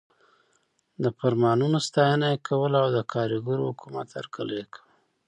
د فرمانونو ستاینه یې کوله او د کارګرو حکومت هرکلی یې کاوه.